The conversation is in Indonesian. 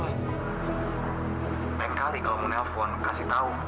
lain kali kalau mau nelfon kasih tau